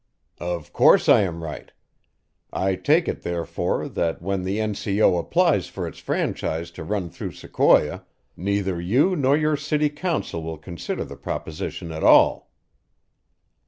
"Of course I am right. I take it, therefore, that when the N.C.O. applies for its franchise to run through Sequoia, neither you nor your city council will consider the proposition at all."